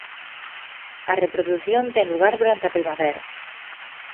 A reprodución ten lugar durante a primavera.